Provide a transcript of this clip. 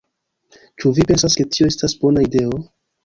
Ĉu vi pensas ke tio estas bona ideo?"